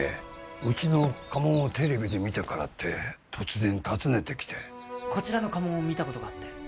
うちの家紋をテレビで見たからって突然訪ねてきてこちらの家紋を見たことがあって